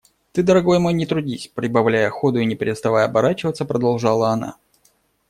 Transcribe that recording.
Ты, дорогой мой, не трудись! – прибавляя ходу и не переставая оборачиваться, продолжала она.